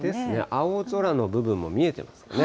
青空の部分も見えてますね。